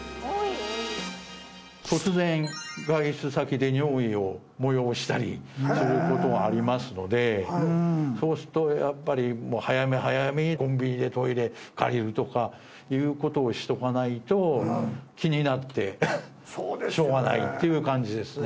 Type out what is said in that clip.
突然外出先で尿意を催したりすることがありますのでそうするとやっぱり早め早めにコンビニでトイレ借りるとかいうことをしとかないと気になってしょうがないっていう感じですね